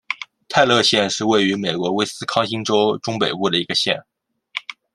泰勒县是位于美国威斯康辛州中北部的一个县。